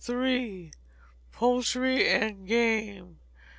Poultry and Game.